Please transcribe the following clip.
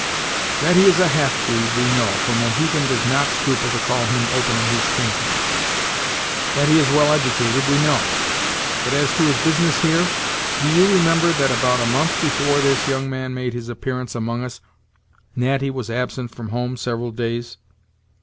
"That he is a half breed we know, for Mohegan does not scruple to call him openly his kinsman; that he is well educated we know. But as to his business here do you remember that about a month before this young man made his appearance among us, Natty was absent from home several days?